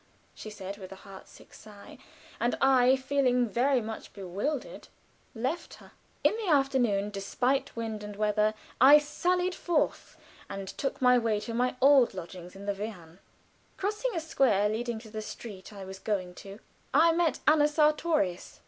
she said, with a heartsick sigh; and I, feeling very much bewildered, left her. In the afternoon, despite wind and weather, I sallied forth, and took my way to my old lodgings in the Wehrhahn. Crossing a square leading to the street I was going to, I met Anna Sartorius.